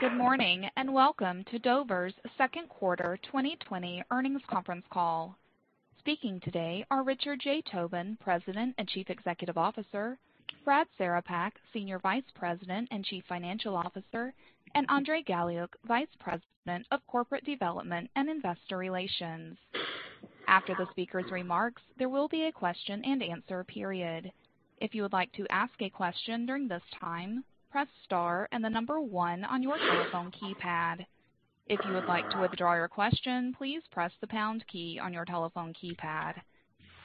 Good morning, and welcome to Dover's second quarter 2020 earnings conference call. Speaking today are Richard J. Tobin, President and Chief Executive Officer, Brad Cerepak, Senior Vice President and Chief Financial Officer, and Andrey Galiuk, Vice President of Corporate Development and Investor Relations. After the speakers' remarks, there will be a question and answer period. If you would like to ask a question during this time, press star and the number 1 on your telephone keypad. If you would like to withdraw your question, please press the pound key on your telephone keypad.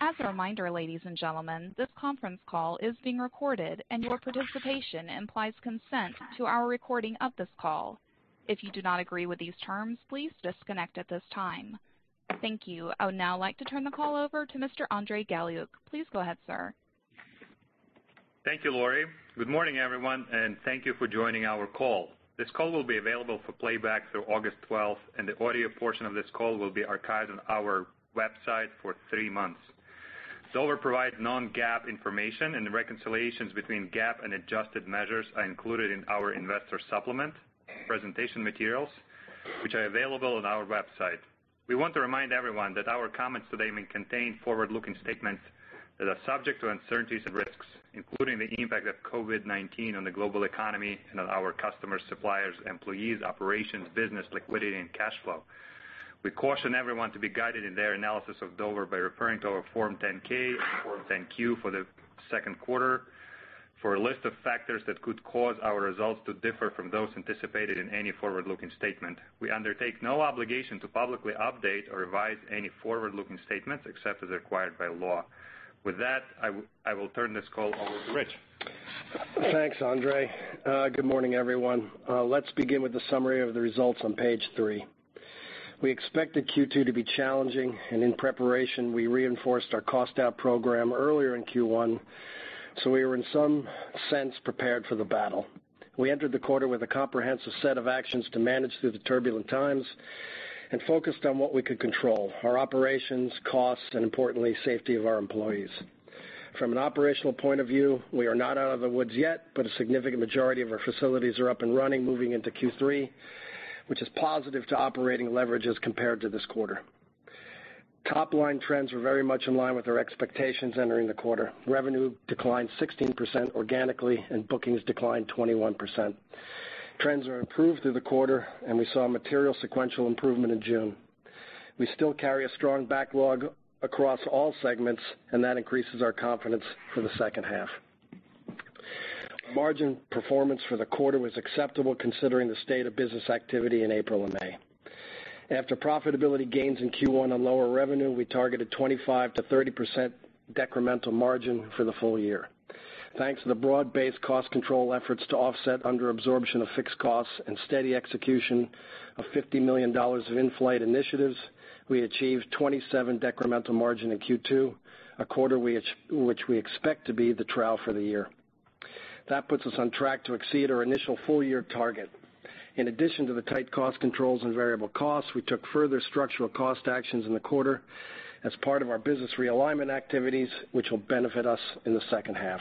As a reminder, ladies and gentlemen, this conference call is being recorded, and your participation implies consent to our recording of this call. If you do not agree with these terms, please disconnect at this time. Thank you. I would now like to turn the call over to Mr. Andrey Galiuk. Please go ahead, sir. Thank you, Laurie. Good morning, everyone, and thank you for joining our call. This call will be available for playback through August 12th, and the audio portion of this call will be archived on our website for three months. Dover provides non-GAAP information, and the reconciliations between GAAP and adjusted measures are included in our investor supplement presentation materials, which are available on our website. We want to remind everyone that our comments today may contain forward-looking statements that are subject to uncertainties and risks, including the impact of COVID-19 on the global economy and on our customers, suppliers, employees, operations, business, liquidity, and cash flow. We caution everyone to be guided in their analysis of Dover by referring to our Form 10-K and Form 10-Q for the second quarter for a list of factors that could cause our results to differ from those anticipated in any forward-looking statement. We undertake no obligation to publicly update or revise any forward-looking statements except as required by law. With that, I will turn this call over to Rich. Thanks, Andrey. Good morning, everyone. Let's begin with the summary of the results on page three. We expected Q2 to be challenging. In preparation, we reinforced our cost-out program earlier in Q1. We were in some sense prepared for the battle. We entered the quarter with a comprehensive set of actions to manage through the turbulent times and focused on what we could control, our operations, cost, and importantly, safety of our employees. From an operational point of view, we are not out of the woods yet. A significant majority of our facilities are up and running moving into Q3, which is positive to operating leverage as compared to this quarter. Top-line trends were very much in line with our expectations entering the quarter. Revenue declined 16% organically. Bookings declined 21%. Trends are improved through the quarter. We saw a material sequential improvement in June. We still carry a strong backlog across all segments, and that increases our confidence for the second half. Margin performance for the quarter was acceptable considering the state of business activity in April and May. After profitability gains in Q1 on lower revenue, we targeted 25%-30% decremental margin for the full year. Thanks to the broad-based cost control efforts to offset underabsorption of fixed costs and steady execution of $50 million of in-flight initiatives, we achieved 27% decremental margin in Q2, a quarter which we expect to be the trial for the year. That puts us on track to exceed our initial full-year target. In addition to the tight cost controls and variable costs, we took further structural cost actions in the quarter as part of our business realignment activities, which will benefit us in the second half.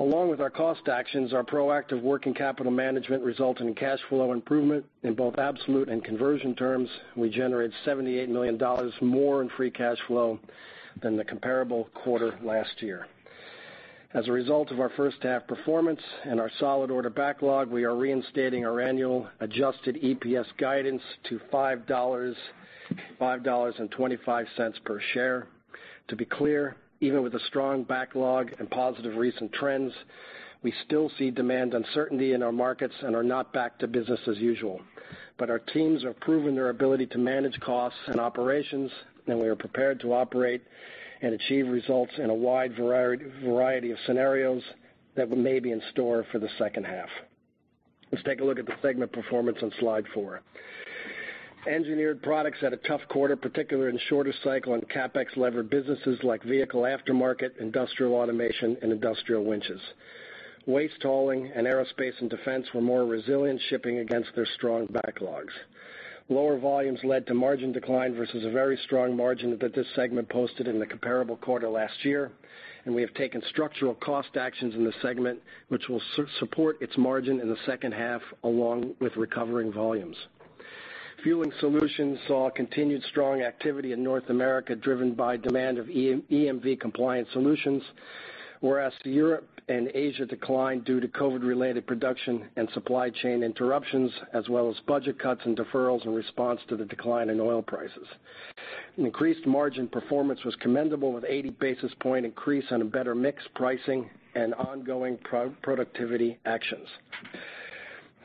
Along with our cost actions, our proactive working capital management resulted in cash flow improvement in both absolute and conversion terms. We generated $78 million more in free cash flow than the comparable quarter last year. As a result of our first half performance and our solid order backlog, we are reinstating our annual adjusted EPS guidance to $5.25 per share. To be clear, even with a strong backlog and positive recent trends, we still see demand uncertainty in our markets and are not back to business as usual. Our teams are proving their ability to manage costs and operations, and we are prepared to operate and achieve results in a wide variety of scenarios that may be in store for the second half. Let's take a look at the segment performance on slide four. Engineered Products had a tough quarter, particularly in shorter cycle and CapEx-levered businesses like vehicle aftermarket, industrial automation, and industrial winches. Waste hauling and aerospace and defense were more resilient, shipping against their strong backlogs. Lower volumes led to margin decline versus a very strong margin that this segment posted in the comparable quarter last year. We have taken structural cost actions in the segment, which will support its margin in the second half along with recovering volumes. Fueling Solutions saw continued strong activity in North America, driven by demand of EMV-compliant solutions. Whereas Europe and Asia declined due to COVID-19-related production and supply chain interruptions, as well as budget cuts and deferrals in response to the decline in oil prices. Increased margin performance was commendable, with 80 basis point increase on a better mix pricing and ongoing productivity actions.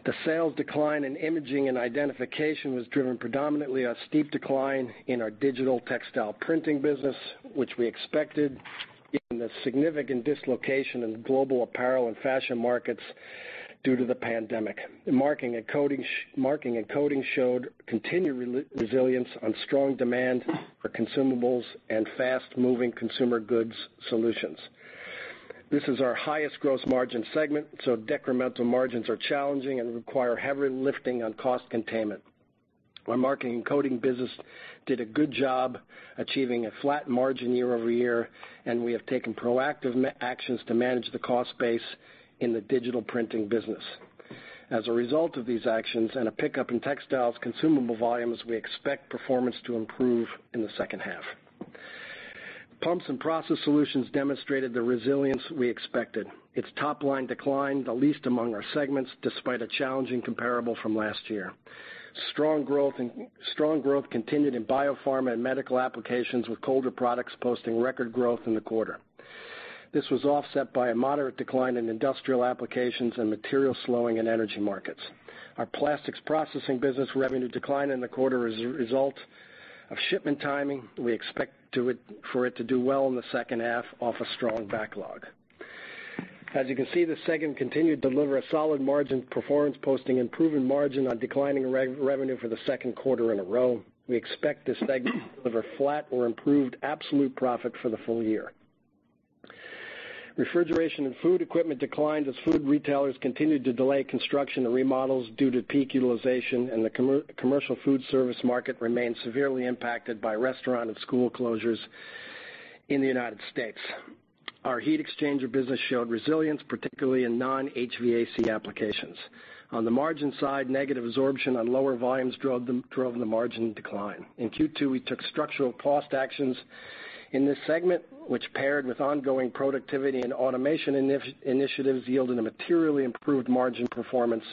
The sales decline in Imaging & Identification was driven predominantly on steep decline in our digital textile printing business, which we expected in the significant dislocation in global apparel and fashion markets due to the pandemic. Marking and coding showed continued resilience on strong demand for consumables and fast-moving consumer goods solutions. This is our highest gross margin segment, so decremental margins are challenging and require heavy lifting on cost containment. Our marking and coding business did a good job achieving a flat margin year-over-year, and we have taken proactive actions to manage the cost base in the digital printing business. As a result of these actions and a pickup in textiles consumable volumes, we expect performance to improve in the second half. Pumps & Process Solutions demonstrated the resilience we expected. Its top line declined the least among our segments, despite a challenging comparable from last year. Strong growth continued in biopharma and medical applications, with Colder Products posting record growth in the quarter. This was offset by a moderate decline in industrial applications and material slowing in energy markets. Our plastics processing business revenue decline in the quarter is a result of shipment timing. We expect for it to do well in the second half off a strong backlog. As you can see, the segment continued to deliver a solid margin performance, posting improving margin on declining revenue for the second quarter in a row. We expect this segment to deliver flat or improved absolute profit for the full year. Refrigeration & Food Equipment declined as food retailers continued to delay construction and remodels due to peak utilization, and the commercial food service market remains severely impacted by restaurant and school closures in the U.S. Our heat exchanger business showed resilience, particularly in non-HVAC applications. On the margin side, negative absorption on lower volumes drove the margin decline. In Q2, we took structural cost actions in this segment, which paired with ongoing productivity and automation initiatives, yielding a materially improved margin performance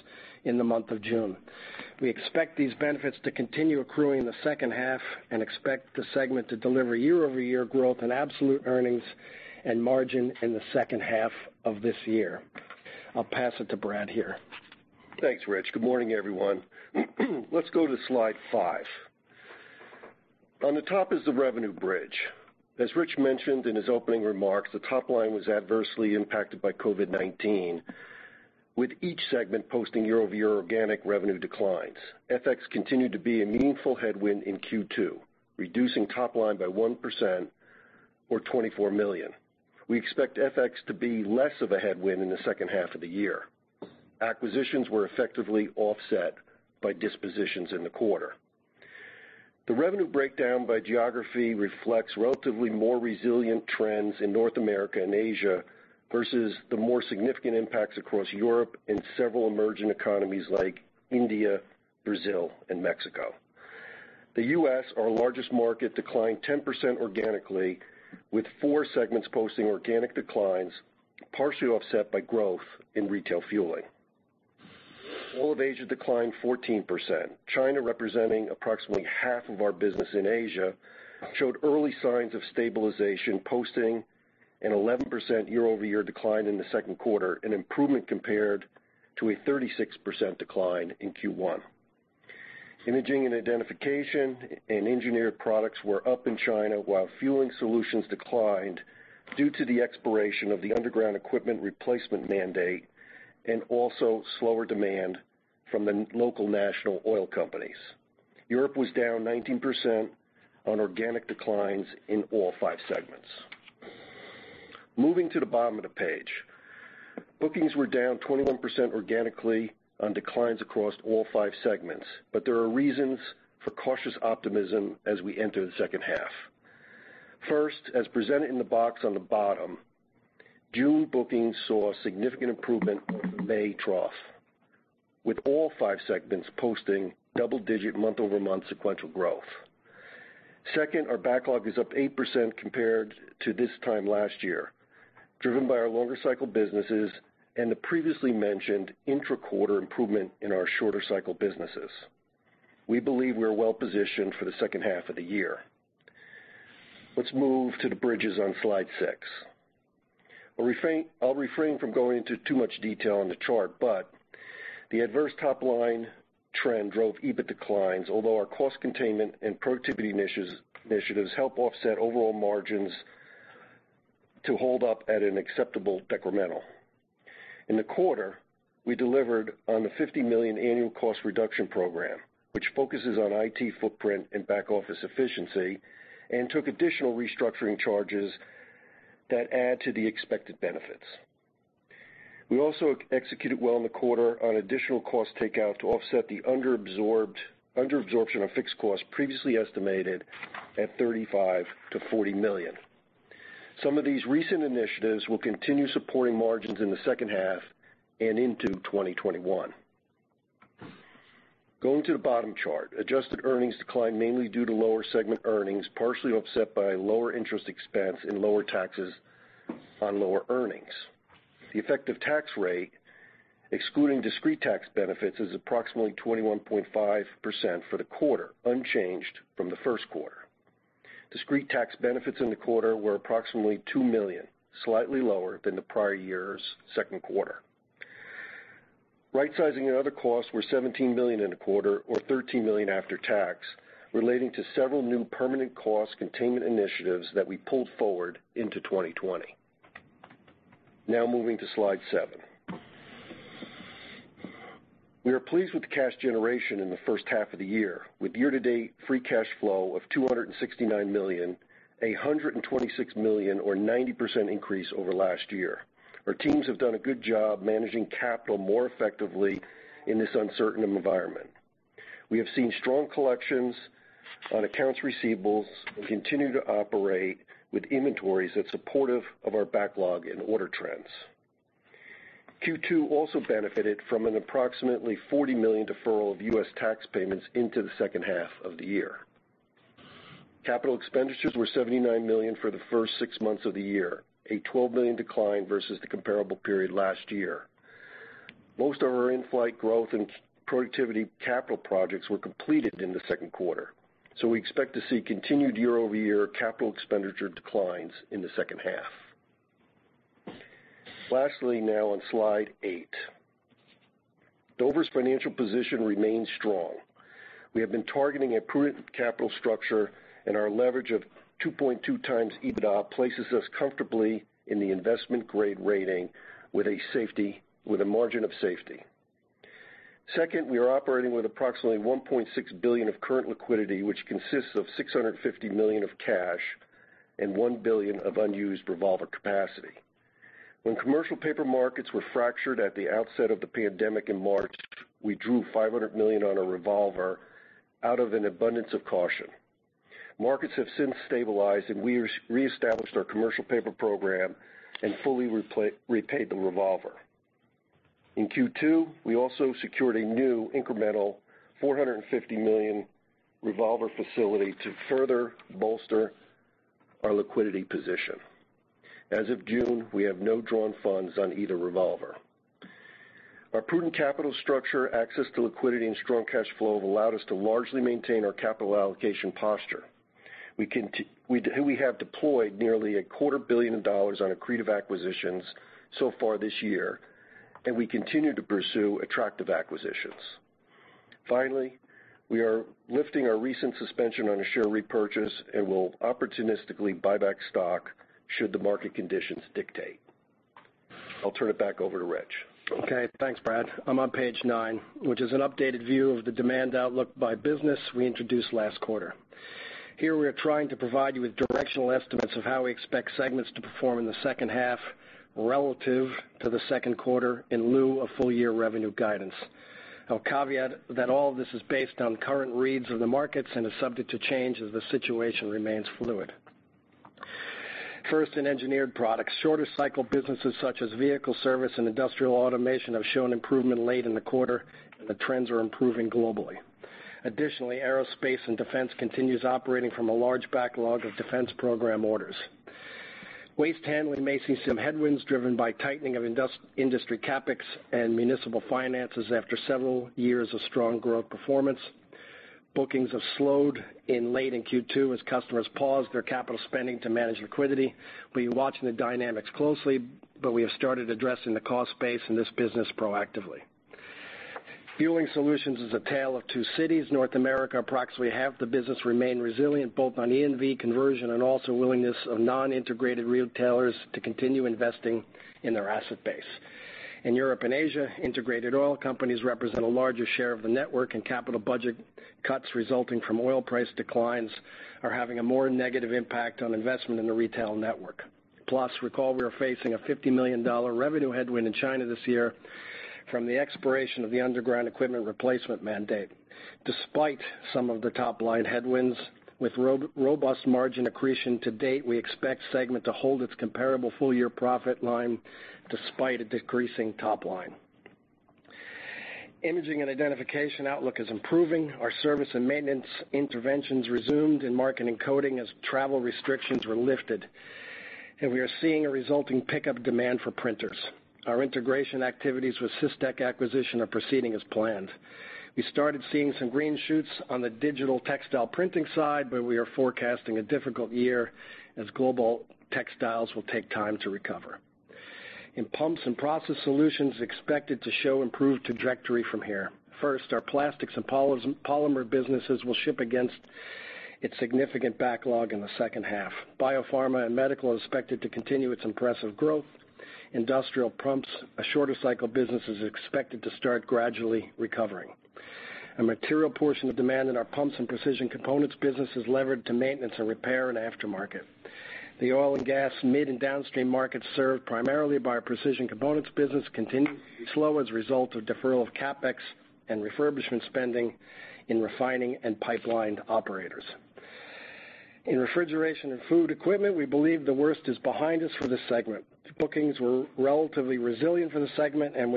in the month of June. We expect these benefits to continue accruing in the second half and expect the segment to deliver year-over-year growth in absolute earnings and margin in the second half of this year. I'll pass it to Brad here. Thanks, Rich. Good morning, everyone. Let's go to slide five. On the top is the revenue bridge. As Rich mentioned in his opening remarks, the top line was adversely impacted by COVID-19, with each segment posting year-over-year organic revenue declines. FX continued to be a meaningful headwind in Q2, reducing top line by 1% or $24 million. We expect FX to be less of a headwind in the second half of the year. Acquisitions were effectively offset by dispositions in the quarter. The revenue breakdown by geography reflects relatively more resilient trends in North America and Asia versus the more significant impacts across Europe and several emerging economies like India, Brazil, and Mexico. The U.S., our largest market, declined 10% organically, with four segments posting organic declines, partially offset by growth in retail fueling. All of Asia declined 14%. China, representing approximately half of our business in Asia, showed early signs of stabilization, posting an 11% year-over-year decline in the second quarter, an improvement compared to a 36% decline in Q1. Imaging & Identification and Engineered Products were up in China, while Fueling Solutions declined due to the expiration of the underground equipment replacement mandate and also slower demand from the local national oil companies. Europe was down 19% on organic declines in all five segments. Moving to the bottom of the page. Bookings were down 21% organically on declines across all five segments, but there are reasons for cautious optimism as we enter the second half. First, as presented in the box on the bottom, June bookings saw significant improvement off the May trough, with all five segments posting double-digit month-over-month sequential growth. Second, our backlog is up 8% compared to this time last year, driven by our longer cycle businesses and the previously mentioned intra-quarter improvement in our shorter cycle businesses. We believe we're well-positioned for the second half of the year. Let's move to the bridges on slide six. I'll refrain from going into too much detail on the chart, but the adverse top-line trend drove EBIT declines, although our cost containment and productivity initiatives help offset overall margins to hold up at an acceptable decremental. In the quarter, we delivered on the $50 million annual cost reduction program, which focuses on IT footprint and back-office efficiency, and took additional restructuring charges that add to the expected benefits. We also executed well in the quarter on additional cost takeout to offset the underabsorption of fixed costs previously estimated at $35 million-$40 million. Some of these recent initiatives will continue supporting margins in the second half and into 2021. Going to the bottom chart. Adjusted earnings declined mainly due to lower segment earnings, partially offset by lower interest expense and lower taxes on lower earnings. The effective tax rate, excluding discrete tax benefits, is approximately 21.5% for the quarter, unchanged from the first quarter. Discrete tax benefits in the quarter were approximately $2 million, slightly lower than the prior year's second quarter. Rightsizing and other costs were $17 million in the quarter, or $13 million after tax, relating to several new permanent cost containment initiatives that we pulled forward into 2020. Moving to slide seven. We are pleased with the cash generation in the first half of the year, with year-to-date free cash flow of $269 million, a $126 million, or 90% increase over last year. Our teams have done a good job managing capital more effectively in this uncertain environment. We have seen strong collections on accounts receivables and continue to operate with inventories that's supportive of our backlog and order trends. Q2 also benefited from an approximately $40 million deferral of U.S. tax payments into the second half of the year. Capital expenditures were $79 million for the first six months of the year, a $12 million decline versus the comparable period last year. Most of our in-flight growth and productivity capital projects were completed in the second quarter. We expect to see continued year-over-year capital expenditure declines in the second half. Lastly now on slide eight. Dover's financial position remains strong. We have been targeting a prudent capital structure and our leverage of 2.2x EBITDA places us comfortably in the investment grade rating with a margin of safety. Second, we are operating with approximately $1.6 billion of current liquidity, which consists of $650 million of cash and $1 billion of unused revolver capacity. When commercial paper markets were fractured at the outset of the pandemic in March, we drew $500 million on a revolver out of an abundance of caution. Markets have since stabilized, and we reestablished our commercial paper program and fully repaid the revolver. In Q2, we also secured a new incremental $450 million revolver facility to further bolster our liquidity position. As of June, we have no drawn funds on either revolver. Our prudent capital structure, access to liquidity, and strong cash flow have allowed us to largely maintain our capital allocation posture. We have deployed nearly a quarter billion dollars on accretive acquisitions so far this year, and we continue to pursue attractive acquisitions. Finally, we are lifting our recent suspension on a share repurchase and will opportunistically buy back stock should the market conditions dictate. I'll turn it back over to Rich. Okay, thanks, Brad. I'm on page nine, which is an updated view of the demand outlook by business we introduced last quarter. Here we are trying to provide you with directional estimates of how we expect segments to perform in the second half relative to the second quarter in lieu of full-year revenue guidance. I'll caveat that all this is based on current reads of the markets and is subject to change as the situation remains fluid. First, in Engineered Products, shorter cycle businesses such as vehicle service and industrial automation have shown improvement late in the quarter, and the trends are improving globally. Additionally, aerospace and defense continues operating from a large backlog of defense program orders. Waste handling may see some headwinds driven by tightening of industry CapEx and municipal finances after several years of strong growth performance. Bookings have slowed in late in Q2 as customers paused their capital spending to manage liquidity. We're watching the dynamics closely, but we have started addressing the cost base in this business proactively. Fueling Solutions is a tale of two cities. North America, approximately half the business remained resilient, both on EMV conversion and also willingness of non-integrated retailers to continue investing in their asset base. In Europe and Asia, integrated oil companies represent a larger share of the network, and capital budget cuts resulting from oil price declines are having a more negative impact on investment in the retail network. Recall we are facing a $50 million revenue headwind in China this year from the expiration of the underground equipment replacement mandate. Despite some of the top-line headwinds, with robust margin accretion to date, we expect segment to hold its comparable full-year profit line despite a decreasing top line. Imaging & Identification outlook is improving. Our service and maintenance interventions resumed in marking and coding as travel restrictions were lifted. We are seeing a resulting pickup demand for printers. Our integration activities with Systech acquisition are proceeding as planned. We started seeing some green shoots on the digital textile printing side, but we are forecasting a difficult year as global textiles will take time to recover. In Pumps & Process Solutions, expected to show improved trajectory from here. First, our plastics and polymer businesses will ship against its significant backlog in the second half. Biopharma and medical is expected to continue its impressive growth. Industrial pumps, a shorter cycle business, is expected to start gradually recovering. A material portion of demand in our Pumps & Process Solutions business is levered to maintenance and repair and aftermarket. The oil and gas mid and downstream markets served primarily by our precision components business continue to be slow as a result of deferral of CapEx and refurbishment spending in refining and pipelined operators. In Refrigeration & Food Equipment, we believe the worst is behind us for this segment. Bookings were relatively resilient for the segment, and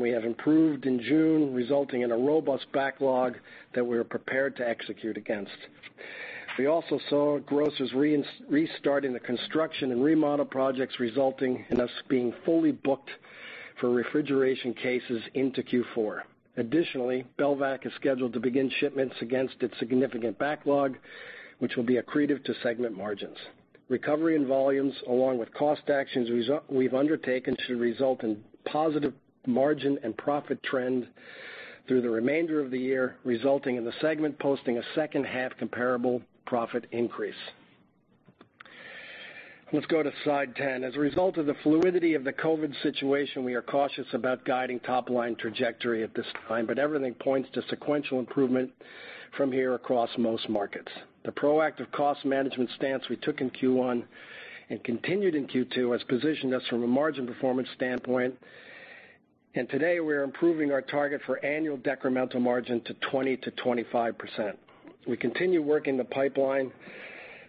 we have improved in June, resulting in a robust backlog that we are prepared to execute against. We also saw grocers restarting the construction and remodel projects resulting in us being fully booked for refrigeration cases into Q4. Additionally, Belvac is scheduled to begin shipments against its significant backlog, which will be accretive to segment margins. Recovery in volumes, along with cost actions we've undertaken, should result in positive margin and profit trend through the remainder of the year, resulting in the segment posting a second half comparable profit increase. Let's go to slide 10. As a result of the fluidity of the COVID situation, we are cautious about guiding top-line trajectory at this time. Everything points to sequential improvement from here across most markets. The proactive cost management stance we took in Q1 and continued in Q2 has positioned us from a margin performance standpoint. Today, we are improving our target for annual decremental margin to 20%-25%. We continue working the pipeline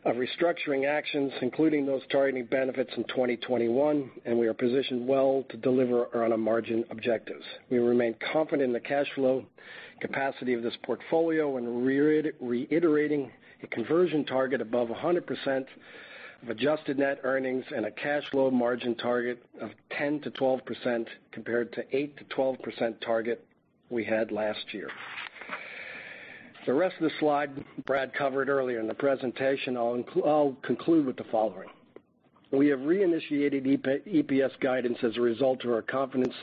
of restructuring actions, including those targeting benefits in 2021. We are positioned well to deliver on our margin objectives. We remain confident in the cash flow capacity of this portfolio and reiterating a conversion target above 100% of adjusted net earnings and a cash flow margin target of 10%-12% compared to 8%-12% target we had last year. The rest of the slide, Brad covered earlier in the presentation. I'll conclude with the following. We have reinitiated EPS guidance as a result of our confidence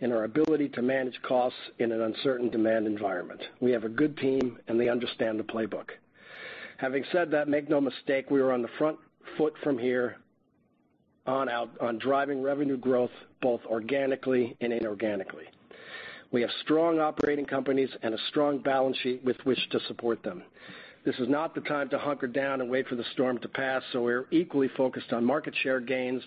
in our ability to manage costs in an uncertain demand environment. We have a good team. They understand the playbook. Having said that, make no mistake, we are on the front foot from here on driving revenue growth both organically and inorganically. We have strong operating companies and a strong balance sheet with which to support them. This is not the time to hunker down and wait for the storm to pass, so we're equally focused on market share gains,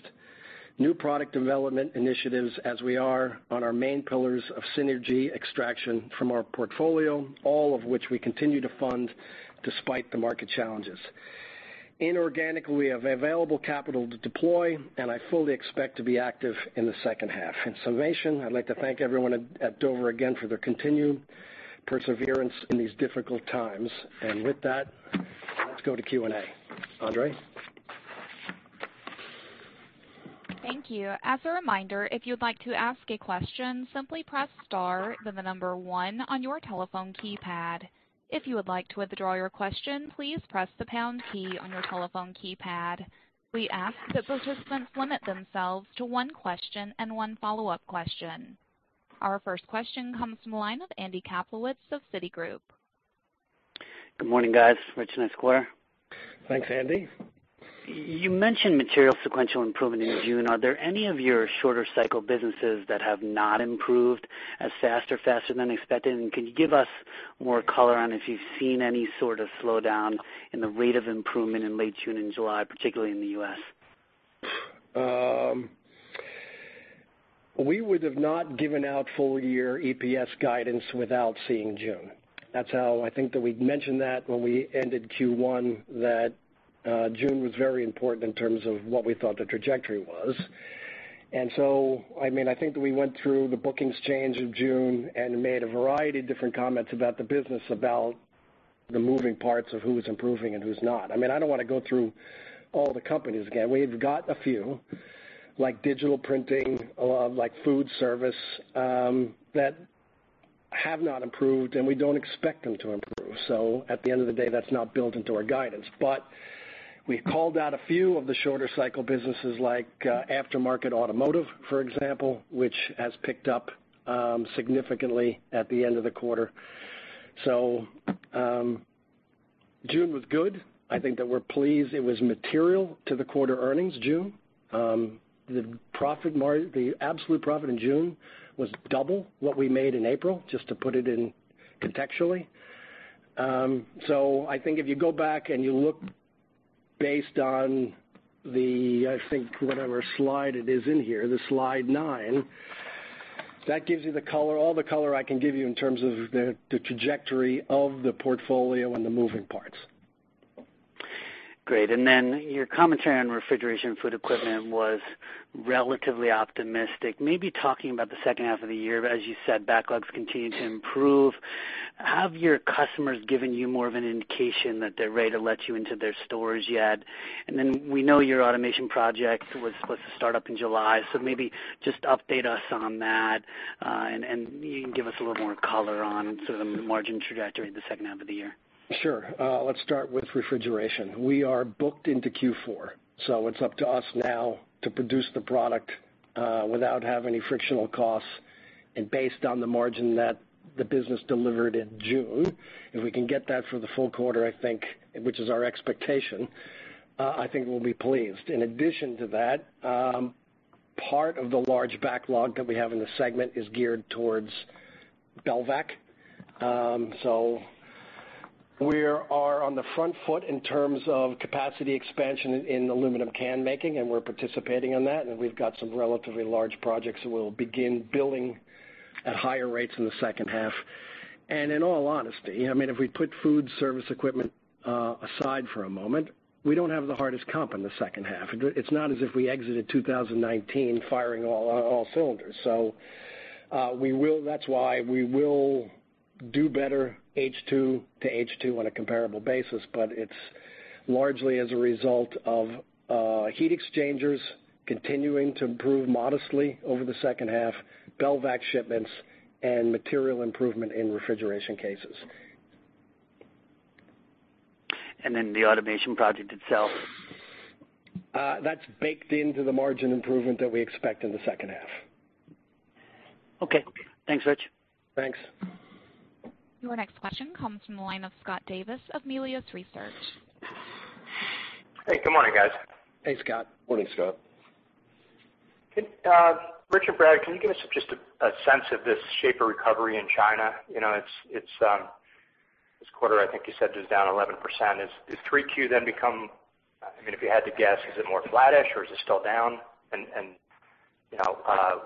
new product development initiatives as we are on our main pillars of synergy extraction from our portfolio, all of which we continue to fund despite the market challenges. Inorganically, we have available capital to deploy, and I fully expect to be active in the second half. In summation, I'd like to thank everyone at Dover again for their continued perseverance in these difficult times. With that, let's go to Q&A. Andrey? Thank you. As a reminder, if you'd like to ask a question, simply press star, then the number one on your telephone keypad. If you would like to withdraw your question, please press the pound key on your telephone keypad. We ask that participants limit themselves to one question and one follow-up question. Our first question comes from the line of Andrew Kaplowitz of Citigroup. Good morning, guys. Rich, nice quarter. Thanks, Andy. You mentioned material sequential improvement in June. Are there any of your shorter cycle businesses that have not improved as fast or faster than expected? Can you give us more color on if you've seen any sort of slowdown in the rate of improvement in late June and July, particularly in the U.S.? We would have not given out full year EPS guidance without seeing June. I think that we mentioned that when we ended Q1, that June was very important in terms of what we thought the trajectory was. I think that we went through the bookings change of June and made a variety of different comments about the business, about the moving parts of who's improving and who's not. I don't want to go through all the companies again. We've got a few, like digital printing, like food service, that have not improved, and we don't expect them to improve. At the end of the day, that's not built into our guidance. We called out a few of the shorter cycle businesses like aftermarket automotive, for example, which has picked up significantly at the end of the quarter. June was good. I think that we're pleased it was material to the quarter earnings, June. The absolute profit in June was double what we made in April, just to put it in contextually. I think if you go back and you look based on the, I think, whatever slide it is in here, the slide nine, that gives you all the color I can give you in terms of the trajectory of the portfolio and the moving parts. Great. Your commentary on Refrigeration & Food Equipment was relatively optimistic, maybe talking about the second half of the year. As you said, backlogs continue to improve. Have your customers given you more of an indication that they're ready to let you into their stores yet? We know your automation project was supposed to start up in July, so maybe just update us on that, and you can give us a little more color on sort of the margin trajectory in the second half of the year. Sure. Let's start with refrigeration. We are booked into Q4, it's up to us now to produce the product without having any frictional costs. Based on the margin that the business delivered in June, if we can get that for the full quarter, which is our expectation, I think we'll be pleased. In addition to that, part of the large backlog that we have in the segment is geared towards Belvac. We are on the front foot in terms of capacity expansion in aluminum can making, and we're participating in that, and we've got some relatively large projects that we'll begin billing at higher rates in the second half. In all honesty, if we put food service equipment aside for a moment, we don't have the hardest comp in the second half. It's not as if we exited 2019 firing all cylinders. That's why we will do better H2 to H2 on a comparable basis, but it's largely as a result of heat exchangers continuing to improve modestly over the second half, Belvac shipments, and material improvement in refrigeration cases. The automation project itself? That's baked into the margin improvement that we expect in the second half. Okay. Thanks, Rich. Thanks. Your next question comes from the line of Scott Davis of Melius Research. Hey, good morning, guys. Thanks, Scott. Morning, Scott. Rich and Brad, can you give us just a sense of this shape of recovery in China? This quarter, I think you said it was down 11%. Does 3Q then become, if you had to guess, is it more flattish or is it still down?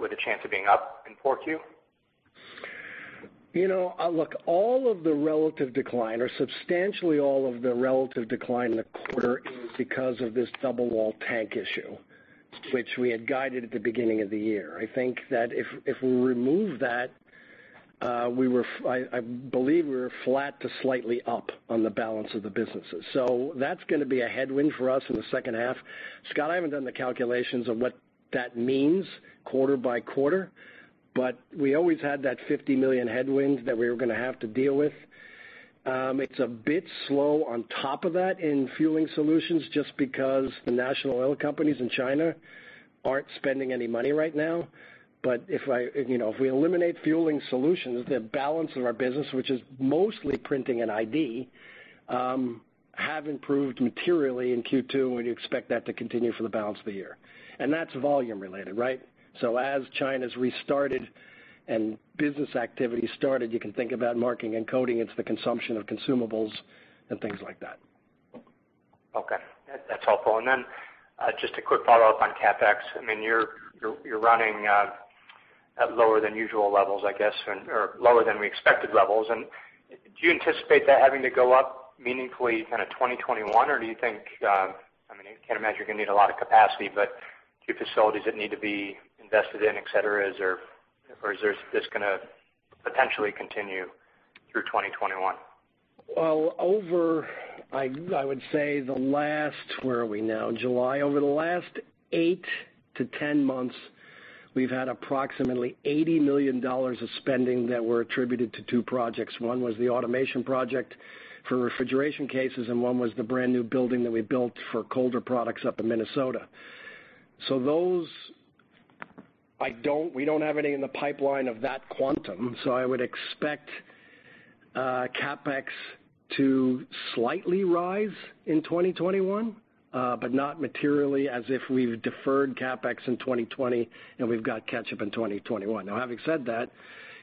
With a chance of being up in 4Q? Look, all of the relative decline or substantially all of the relative decline in the quarter is because of this double wall tank issue, which we had guided at the beginning of the year. I think that if we remove that, I believe we were flat to slightly up on the balance of the businesses. That's going to be a headwind for us in the second half. Scott, I haven't done the calculations of what that means quarter by quarter, but we always had that $50 million headwind that we were going to have to deal with. It's a bit slow on top of that in Fueling Solutions just because the national oil companies in China aren't spending any money right now. If we eliminate Fueling Solutions, the balance of our business, which is mostly printing and ID, have improved materially in Q2, and we expect that to continue for the balance of the year. That's volume related, right? As China's restarted and business activity started, you can think about marking and coding into the consumption of consumables and things like that. Okay. That's helpful. Just a quick follow-up on CapEx. You're running at lower than usual levels, I guess, or lower than we expected levels. Do you anticipate that having to go up meaningfully 2021, or do you think I can't imagine you're going to need a lot of capacity, but do you have facilities that need to be invested in, et cetera? Is this going to potentially continue through 2021? Well, over, I would say the last, where are we now? July. Over the last 8 to 10 months, we've had approximately $80 million of spending that were attributed to two projects. One was the automation project for refrigeration cases, one was the brand-new building that we built for Colder Products up in Minnesota. Those, we don't have any in the pipeline of that quantum. I would expect CapEx to slightly rise in 2021, but not materially as if we've deferred CapEx in 2020 and we've got catch up in 2021. Having said that,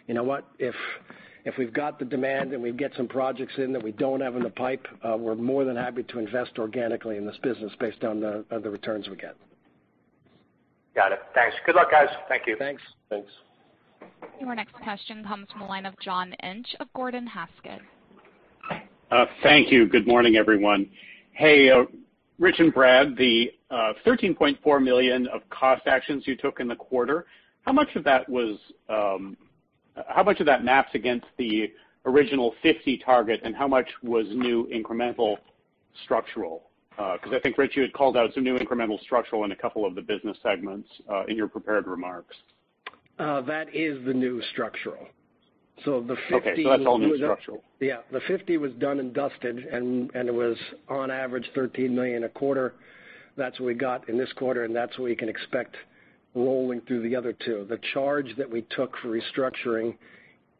you know what? If we've got the demand and we get some projects in that we don't have in the pipe, we're more than happy to invest organically in this business based on the returns we get. Got it. Thanks. Good luck, guys. Thank you. Thanks. Thanks. Your next question comes from the line of John Inch of Gordon Haskett. Thank you. Good morning, everyone. Hey, Rich and Brad, the $13.4 million of cost actions you took in the quarter, how much of that maps against the original $50 target, and how much was new incremental structural? I think Rich, you had called out some new incremental structural in a couple of the business segments in your prepared remarks. That is the new structural. Okay, that's all new structural? Yeah. The 50 was done and dusted, and it was on average $13 million a quarter. That's what we got in this quarter, and that's what we can expect rolling through the other two. The charge that we took for restructuring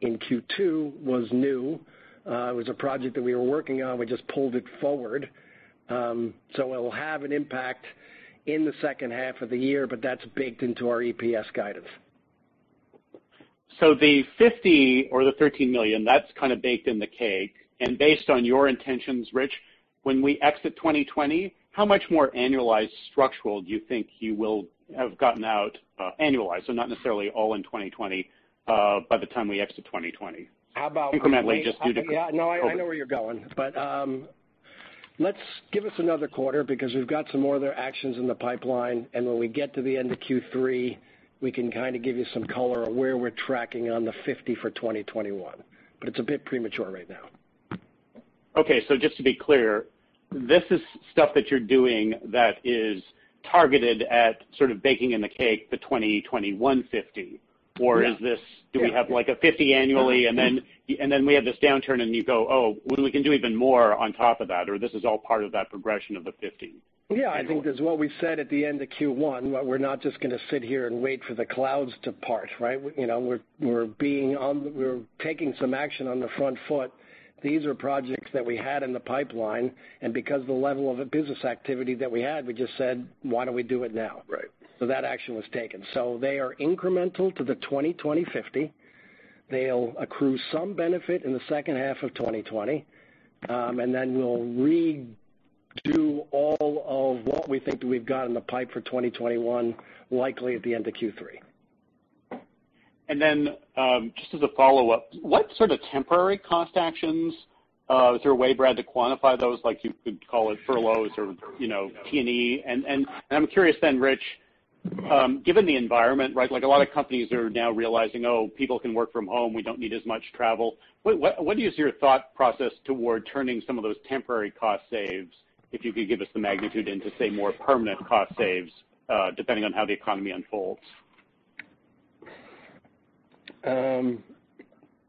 in Q2 was new. It was a project that we were working on. We just pulled it forward. It'll have an impact in the second half of the year, but that's baked into our EPS guidance. The $50 or the $13 million, that's kind of baked in the cake. Based on your intentions, Rich, when we exit 2020, how much more annualized structural do you think you will have gotten out annualized? Not necessarily all in 2020, by the time we exit 2020. How about- Incrementally, just due to- Yeah, no, I know where you're going. Give us another quarter because we've got some other actions in the pipeline, and when we get to the end of Q3, we can give you some color on where we're tracking on the 50 for 2021. It's a bit premature right now. Okay. just to be clear, this is stuff that you're doing that is targeted at sort of baking in the cake the 2021 50? Yeah. Do we have like a $50 annually, and then we have this downturn, and you go, "Oh, well, we can do even more on top of that," or this is all part of that progression of the $50? I think as what we said at the end of Q1, we're not just going to sit here and wait for the clouds to part, right? We're taking some action on the front foot. These are projects that we had in the pipeline, and because the level of business activity that we had, we just said, "Why don't we do it now? Right. That action was taken. They are incremental to the 2020 50. They'll accrue some benefit in the second half of 2020. Then we'll redo all of what we think that we've got in the pipe for 2021, likely at the end of Q3. Just as a follow-up, what sort of temporary cost actions, is there a way, Brad, to quantify those, like you could call it furloughs or T&E? I'm curious then, Rich, given the environment, right, like a lot of companies are now realizing, oh, people can work from home. We don't need as much travel. What is your thought process toward turning some of those temporary cost saves, if you could give us the magnitude into, say, more permanent cost saves, depending on how the economy unfolds?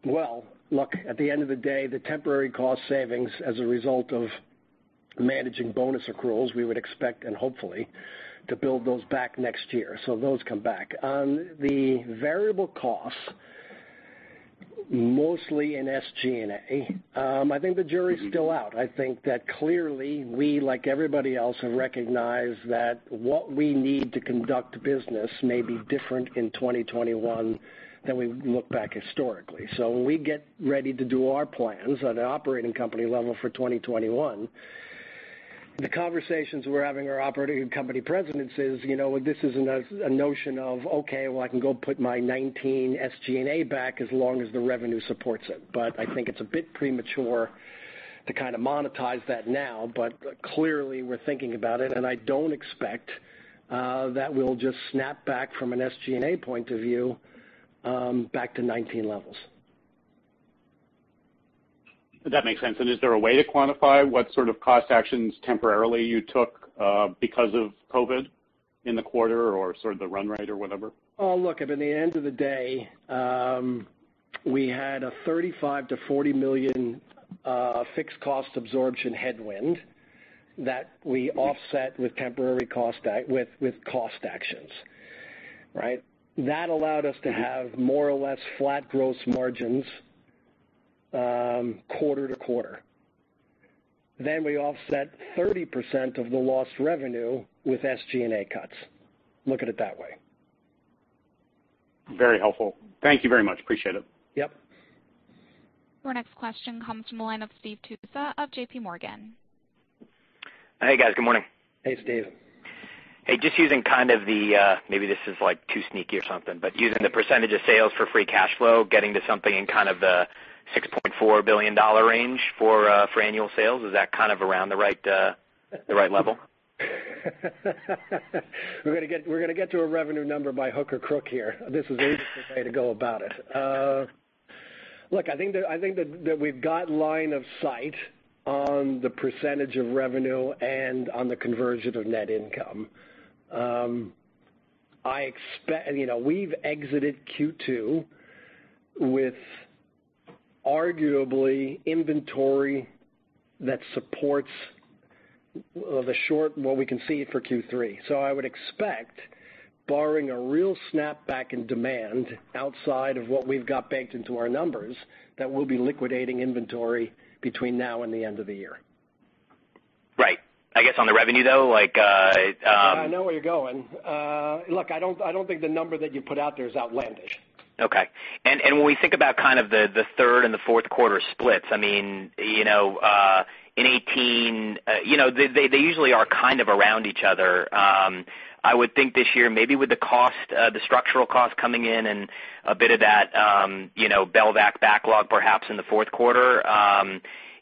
Well, look, at the end of the day, the temporary cost savings as a result of managing bonus accruals, we would expect and hopefully to build those back next year. Those come back. On the variable costs. Mostly in SG&A. I think the jury's still out. I think that clearly we, like everybody else, have recognized that what we need to conduct business may be different in 2021 than we look back historically. When we get ready to do our plans at an operating company level for 2021, the conversations we're having with our operating company presidents is, this isn't a notion of, okay, well, I can go put my 2019 SG&A back as long as the revenue supports it. I think it's a bit premature to kind of monetize that now. Clearly, we're thinking about it, and I don't expect that we'll just snap back from an SG&A point of view, back to 2019 levels. That makes sense. Is there a way to quantify what sort of cost actions temporarily you took because of COVID-19 in the quarter or sort of the run rate or whatever? Oh, look, at the end of the day, we had a $35 million-$40 million fixed cost absorption headwind that we offset with cost actions, right? That allowed us to have more or less flat gross margins quarter-to-quarter. We offset 30% of the lost revenue with SG&A cuts. Look at it that way. Very helpful. Thank you very much. Appreciate it. Yep. Your next question comes from the line of Steve Tusa of JPMorgan. Hey, guys. Good morning. Thanks, Steve. Hey, just using kind of maybe this is too sneaky or something, but using the percentage of sales for free cash flow, getting to something in kind of the $6.4 billion range for annual sales. Is that kind of around the right level? We're going to get to a revenue number by hook or crook here. This is the easiest way to go about it. Look, I think that we've got line of sight on the percentage of revenue and on the conversion of net income. We've exited Q2 with arguably inventory that supports the short and what we can see for Q3. I would expect barring a real snapback in demand outside of what we've got banked into our numbers, that we'll be liquidating inventory between now and the end of the year. Right. I guess on the revenue, though- Yeah, I know where you're going. Look, I don't think the number that you put out there is outlandish. Okay. When we think about kind of the third and the fourth quarter splits, they usually are kind of around each other. I would think this year, maybe with the structural cost coming in and a bit of that Belvac backlog perhaps in the fourth quarter.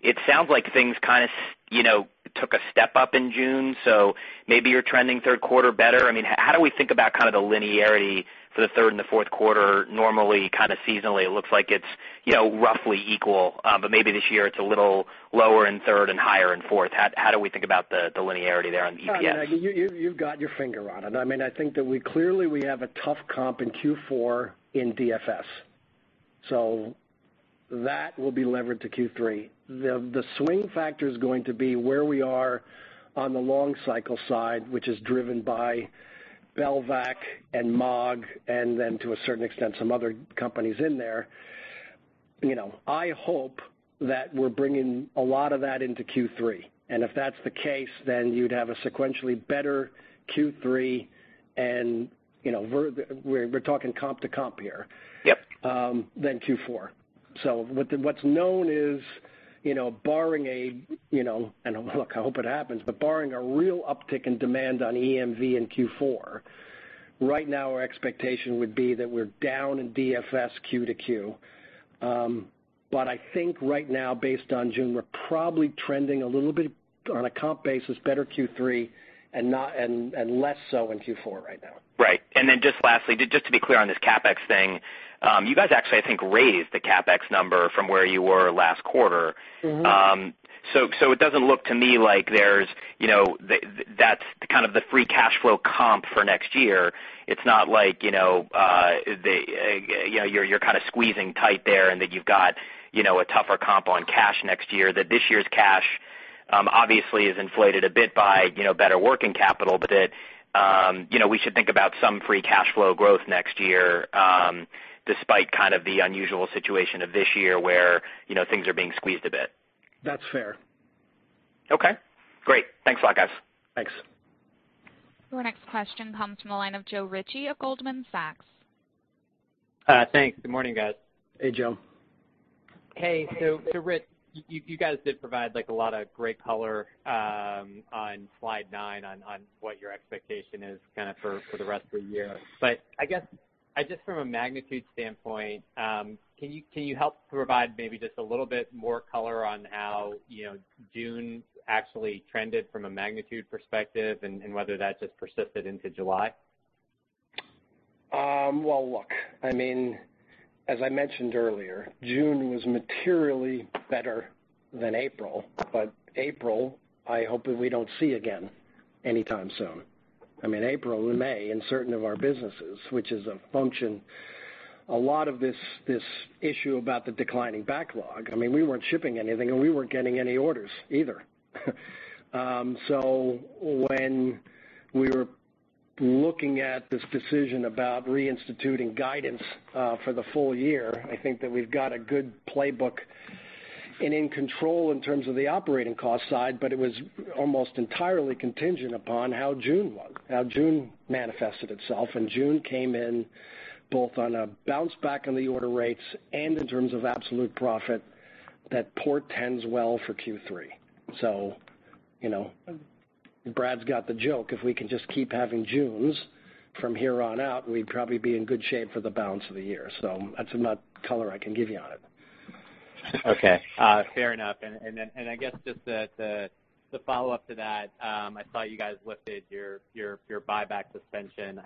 It sounds like things kind of took a step up in June, so maybe you're trending third quarter better. How do we think about kind of the linearity for the third and the fourth quarter? Normally, kind of seasonally, it looks like it's roughly equal. Maybe this year it's a little lower in third and higher in fourth. How do we think about the linearity there on EPS? You've got your finger on it. I think that clearly we have a tough comp in Q4 in DFS. That will be levered to Q3. The swing factor is going to be where we are on the long cycle side, which is driven by Belvac and Maag, and then to a certain extent, some other companies in there. I hope that we're bringing a lot of that into Q3. If that's the case, then you'd have a sequentially better Q3 and we're talking comp to comp here. Yep than Q4. What's known is, and look, I hope it happens, but barring a real uptick in demand on EMV in Q4, right now our expectation would be that we're down in DFS Q to Q. I think right now, based on June, we're probably trending a little bit on a comp basis better Q3 and less so in Q4 right now. Right. Then just lastly, just to be clear on this CapEx thing. You guys actually, I think, raised the CapEx number from where you were last quarter. It doesn't look to me like that's kind of the free cash flow comp for next year. It's not like you're kind of squeezing tight there and that you've got a tougher comp on cash next year. This year's cash obviously is inflated a bit by better working capital, but that we should think about some free cash flow growth next year, despite kind of the unusual situation of this year where things are being squeezed a bit. That's fair. Okay, great. Thanks a lot, guys. Thanks. Your next question comes from the line of Joe Ritchie of Goldman Sachs. Thanks. Good morning, guys. Hey, Joe. Hey. Rich, you guys did provide a lot of great color on slide nine on what your expectation is kind of for the rest of the year. I guess just from a magnitude standpoint, can you help provide maybe just a little bit more color on how June actually trended from a magnitude perspective and whether that just persisted into July? Well, look, as I mentioned earlier, June was materially better than April. April, I hope that we don't see again anytime soon. April and May in certain of our businesses, which is a function, a lot of this issue about the declining backlog. We weren't shipping anything, and we weren't getting any orders either. When we were looking at this decision about reinstituting guidance for the full year, I think that we've got a good playbook and in control in terms of the operating cost side, but it was almost entirely contingent upon how June was, how June manifested itself, and June came in both on a bounce back in the order rates and in terms of absolute profit that portends well for Q3. Brad's got the joke. If we can just keep having Junes from here on out, we'd probably be in good shape for the balance of the year. That's about color I can give you on it. Okay. Fair enough. I guess just the follow-up to that, I saw you guys lifted your buyback suspension.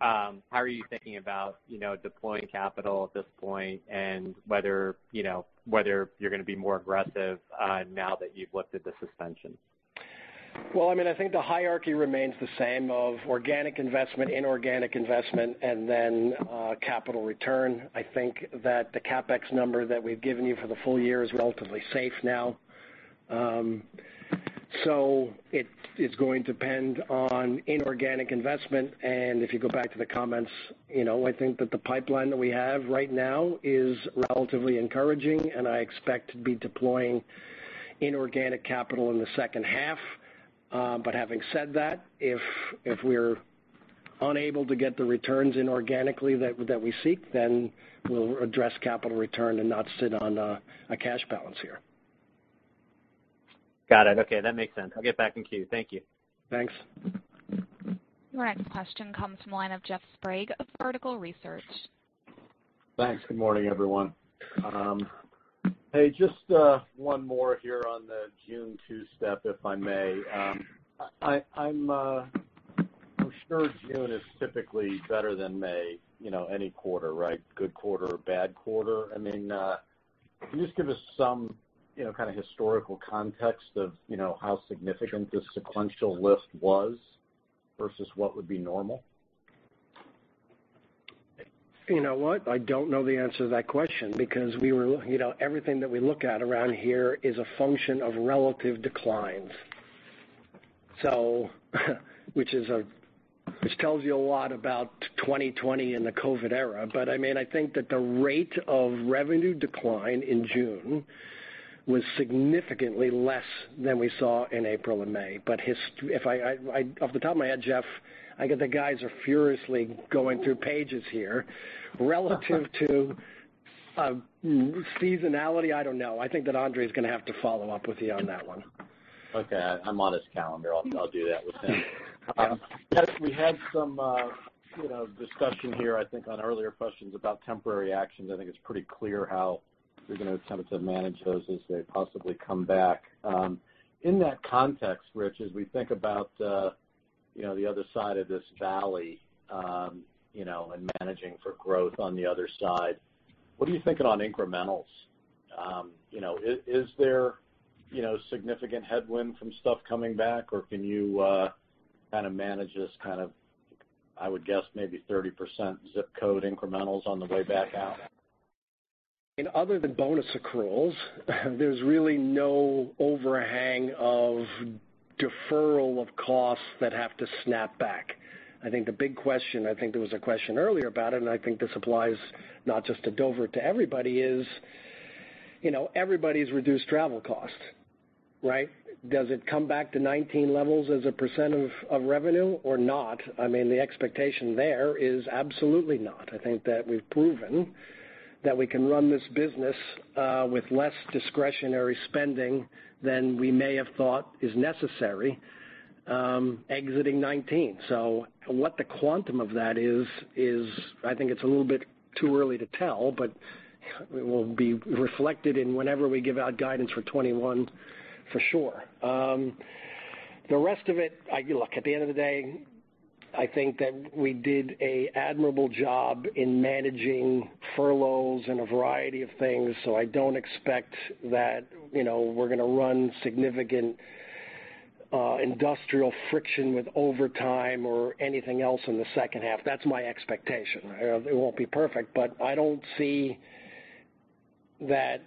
How are you thinking about deploying capital at this point and whether you're going to be more aggressive now that you've lifted the suspension? Well, I think the hierarchy remains the same of organic investment, inorganic investment, and then capital return. I think that the CapEx number that we've given you for the full year is relatively safe now. It is going to depend on inorganic investment, and if you go back to the comments, I think that the pipeline that we have right now is relatively encouraging, and I expect to be deploying inorganic capital in the second half. Having said that, if we're unable to get the returns inorganically that we seek, then we'll address capital return and not sit on a cash balance here. Got it. Okay. That makes sense. I'll get back in queue. Thank you. Thanks. Your next question comes from the line of Jeff Sprague of Vertical Research. Thanks. Good morning, everyone. Hey, just one more here on the June two-step, if I may. I'm sure June is typically better than May, any quarter, right? Good quarter or bad quarter. Can you just give us some kind of historical context of how significant this sequential lift was versus what would be normal? You know what? I don't know the answer to that question because everything that we look at around here is a function of relative declines. Which tells you a lot about 2020 and the COVID-19 era. I think that the rate of revenue decline in June was significantly less than we saw in April and May. Off the top of my head, Jeff, I get the guys are furiously going through pages here relative to seasonality. I don't know. I think that Andrey is going to have to follow up with you on that one. Okay. I'm on his calendar. I'll do that with him. Yeah. We had some discussion here, I think, on earlier questions about temporary actions. I think it's pretty clear how you're going to attempt to manage those as they possibly come back. In that context, Rich, as we think about the other side of this valley, and managing for growth on the other side, what are you thinking on incrementals? Is there significant headwind from stuff coming back, or can you manage this, I would guess maybe 30% ZIP code incrementals on the way back out? In other than bonus accruals, there's really no overhang of deferral of costs that have to snap back. I think the big question, I think there was a question earlier about it, and I think this applies not just to Dover, to everybody is, everybody's reduced travel cost. Right? Does it come back to 2019 levels as a % of revenue or not? The expectation there is absolutely not. I think that we've proven that we can run this business with less discretionary spending than we may have thought is necessary exiting 2019. What the quantum of that is, I think it's a little bit too early to tell, but it will be reflected in whenever we give out guidance for 2021, for sure. The rest of it, look, at the end of the day, I think that we did a admirable job in managing furloughs and a variety of things. I don't expect that we're going to run significant industrial friction with overtime or anything else in the second half. That's my expectation. It won't be perfect, I don't see that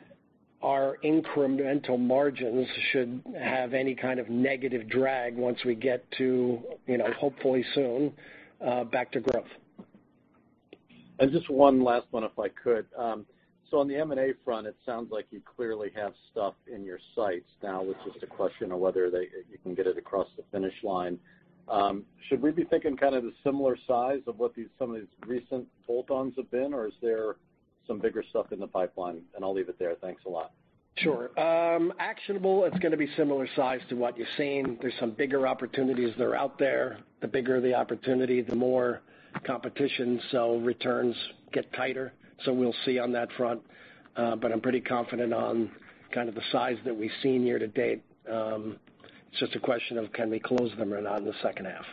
our incremental margins should have any kind of negative drag once we get to, hopefully soon, back to growth. Just one last one, if I could. On the M&A front, it sounds like you clearly have stuff in your sights now. It's just a question of whether you can get it across the finish line. Should we be thinking kind of the similar size of what some of these recent bolt-ons have been, or is there some bigger stuff in the pipeline? I'll leave it there. Thanks a lot. Sure. Actionable, it's going to be similar size to what you've seen. There's some bigger opportunities that are out there. The bigger the opportunity, the more competition. Returns get tighter. We'll see on that front. I'm pretty confident on kind of the size that we've seen year to date. It's just a question of can we close them or not in the second half.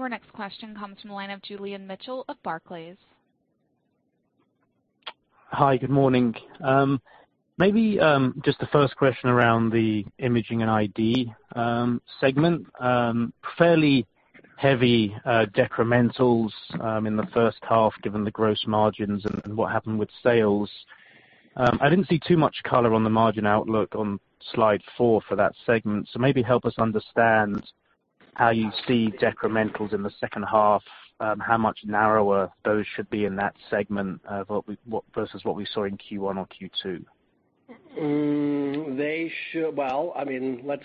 Your next question comes from the line of Julian Mitchell of Barclays. Hi. Good morning. Maybe just the first question around the Imaging & Identification segment. Fairly heavy decrementals in the first half, given the gross margins and what happened with sales. I didn't see too much color on the margin outlook on slide four for that segment. Maybe help us understand how you see decrementals in the second half, how much narrower those should be in that segment versus what we saw in Q1 or Q2. Let's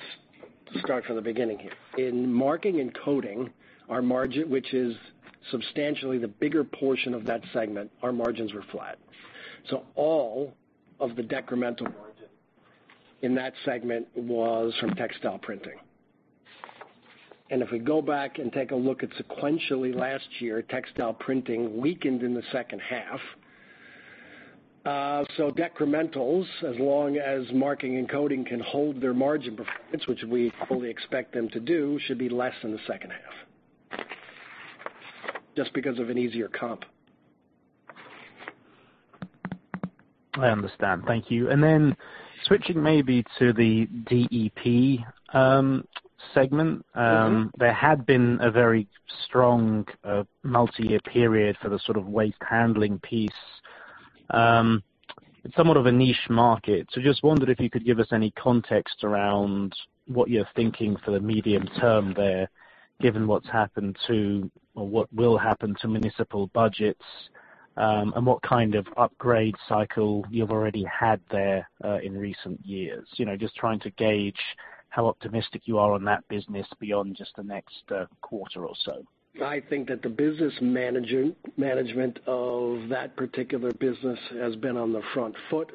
start from the beginning here. In marking and coding, which is substantially the bigger portion of that segment, our margins were flat. All of the decremental margin in that segment was from textile printing. If we go back and take a look at sequentially last year, textile printing weakened in the second half. Decrementals, as long as marking and coding can hold their margin performance, which we fully expect them to do, should be less in the second half, just because of an easier comp. I understand. Thank you. Switching maybe to the DEP segment. There had been a very strong multi-year period for the waste handling piece. Just wondered if you could give us any context around what you're thinking for the medium term there, given what's happened to, or what will happen to municipal budgets. What kind of upgrade cycle you've already had there, in recent years. Just trying to gauge how optimistic you are on that business beyond just the next quarter or so. I think that the business management of that particular business has been on the front foot.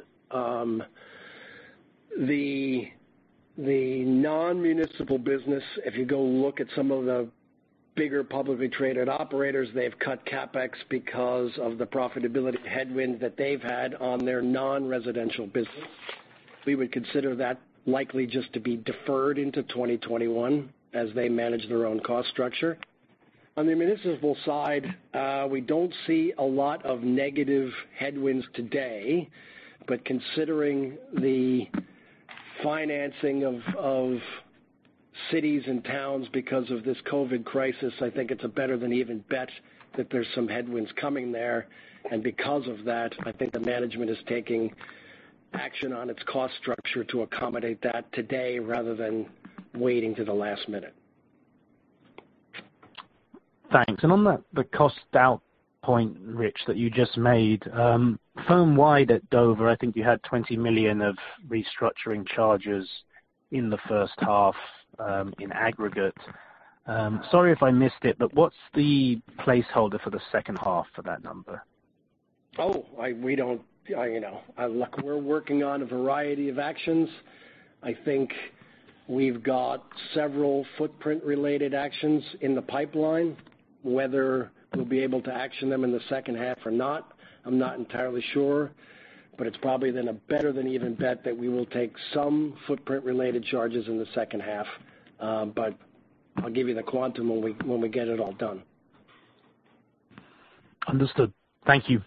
The non-municipal business, if you go look at some of the bigger publicly traded operators, they've cut CapEx because of the profitability headwind that they've had on their non-residential business. We would consider that likely just to be deferred into 2021 as they manage their own cost structure. On the municipal side, we don't see a lot of negative headwinds today, but considering the financing of cities and towns because of this COVID-19 crisis, I think it's a better than even bet that there's some headwinds coming there. Because of that, I think the management is taking action on its cost structure to accommodate that today rather than waiting to the last minute. Thanks. On the cost out point, Rich, that you just made, firm wide at Dover, I think you had $20 million of restructuring charges in the first half, in aggregate. Sorry if I missed it, what's the placeholder for the second half for that number? We're working on a variety of actions. I think we've got several footprint-related actions in the pipeline. Whether we'll be able to action them in the second half or not, I'm not entirely sure, but it's probably then a better than even bet that we will take some footprint-related charges in the second half. I'll give you the quantum when we get it all done. Understood. Thank you.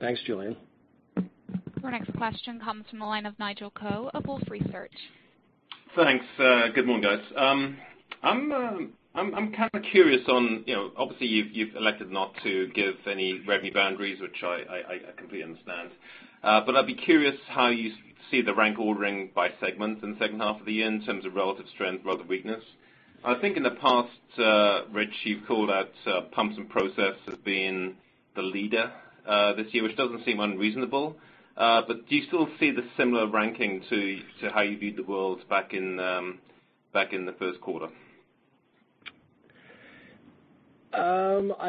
Thanks, Julian. Our next question comes from the line of Nigel Coe of Wolfe Research. Thanks. Good morning, guys. I'm kind of curious on, obviously you've elected not to give any revenue boundaries, which I completely understand. I'd be curious how you see the rank ordering by segment in the second half of the year in terms of relative strength, relative weakness. I think in the past, Rich, you've called out Pumps and Process as being the leader this year, which doesn't seem unreasonable. Do you still see the similar ranking to how you viewed the world back in the first quarter?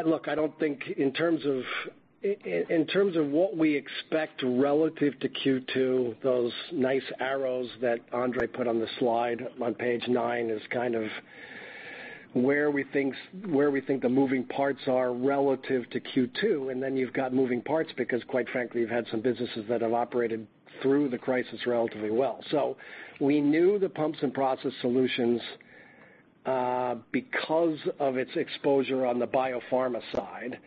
Look, I don't think in terms of what we expect relative to Q2, those nice arrows that Andrey put on the slide on page nine is kind of where we think the moving parts are relative to Q2, and then you've got moving parts because quite frankly, you've had some businesses that have operated through the crisis relatively well. We knew the Pumps & Process Solutions, because of its exposure on the biopharma side,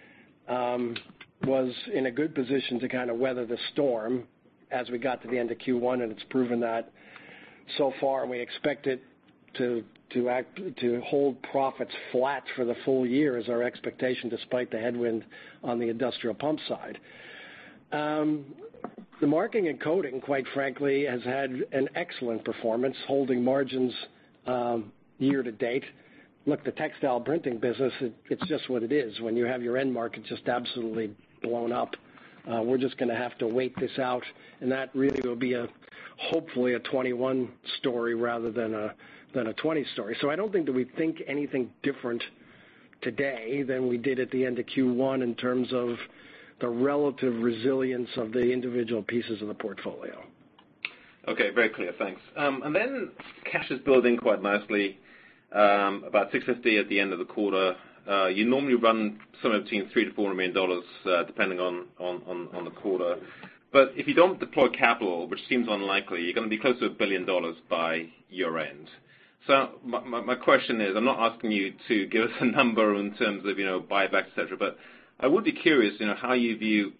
was in a good position to kind of weather the storm as we got to the end of Q1, and it's proven that so far, and we expect it to hold profits flat for the full year is our expectation despite the headwind on the industrial pump side. The marking and coding, quite frankly, has had an excellent performance, holding margins year to date. Look, the textile printing business, it's just what it is. When you have your end market just absolutely blown up. We're just going to have to wait this out, and that really will be hopefully a 2021 story rather than a 2020 story. I don't think that we think anything different today than we did at the end of Q1 in terms of the relative resilience of the individual pieces of the portfolio. Okay. Very clear. Thanks. Cash is building quite nicely, about $650 million at the end of the quarter. You normally run somewhere between $300 million-$400 million, depending on the quarter. If you don't deploy capital, which seems unlikely, you're going to be close to $1 billion by year-end. My question is, I'm not asking you to give us a number in terms of buyback, et cetera, but I would be curious how you view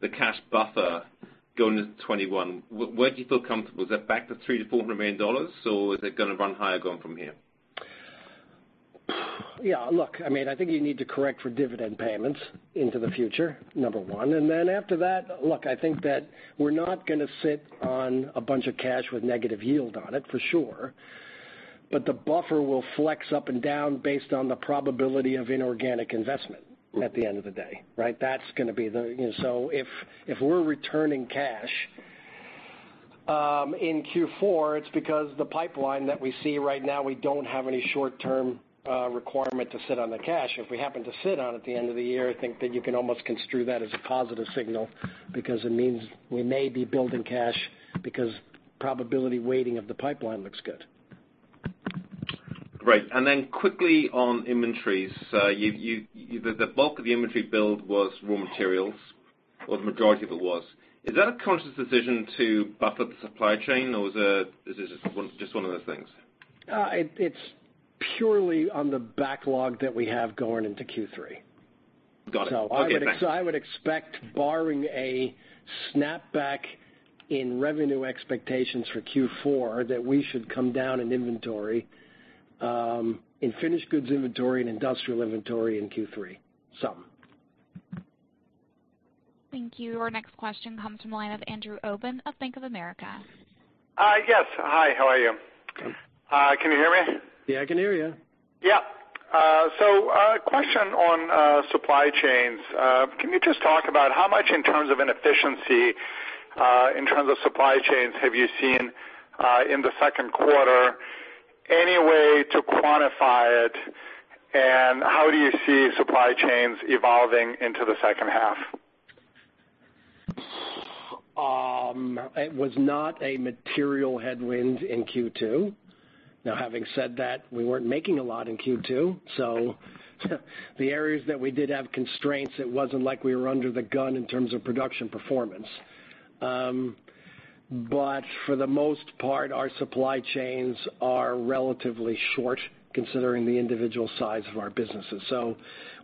the cash buffer going into 2021, where do you feel comfortable? Is that back to $300 million-$400 million, or is it going to run higher going from here? I think you need to correct for dividend payments into the future, number one. After that, look, I think that we're not going to sit on a bunch of cash with negative yield on it, for sure. The buffer will flex up and down based on the probability of inorganic investment at the end of the day, right? If we're returning cash in Q4, it's because the pipeline that we see right now, we don't have any short-term requirement to sit on the cash. If we happen to sit on it at the end of the year, I think that you can almost construe that as a positive signal because it means we may be building cash because probability weighting of the pipeline looks good. Great. Quickly on inventories. The bulk of the inventory build was raw materials, or the majority of it was. Is that a conscious decision to buffer the supply chain, or is this just one of those things? It's purely on the backlog that we have going into Q3. Got it. Okay, thanks. I would expect barring a snapback in revenue expectations for Q4, that we should come down in inventory, in finished goods inventory, and industrial inventory in Q3, some. Thank you. Our next question comes from the line of Andrew Obin of Bank of America. Yes. Hi, how are you? Good. Can you hear me? Yeah, I can hear you. Yep. Question on supply chains. Can you just talk about how much in terms of inefficiency, in terms of supply chains have you seen in the second quarter? Any way to quantify it? How do you see supply chains evolving into the second half? It was not a material headwind in Q2. Having said that, we weren't making a lot in Q2, the areas that we did have constraints, it wasn't like we were under the gun in terms of production performance. For the most part, our supply chains are relatively short considering the individual size of our businesses.